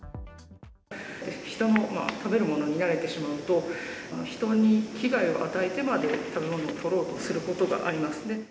人の食べるものに慣れてしまうと、人に危害を与えてまで、食べ物を取ろうとすることがあります。